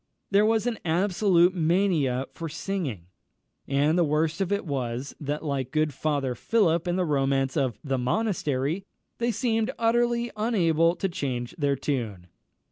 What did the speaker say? There was an absolute mania for singing; and the worst of it was, that, like good Father Philip in the romance of The Monastery, they seemed utterly unable to change their tune.